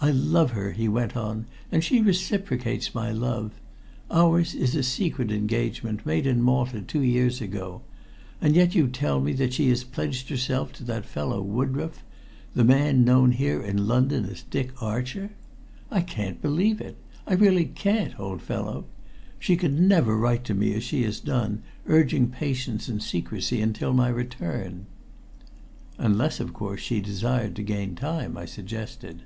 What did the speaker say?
"I love her," he went on, "and she reciprocates my love. Ours is a secret engagement made in Malta two years ago, and yet you tell me that she has pledged herself to that fellow Woodroffe the man known here in London as Dick Archer. I can't believe it I really can't, old fellow. She could never write to me as she has done, urging patience and secrecy until my return." "Unless, of course, she desired to gain time," I suggested.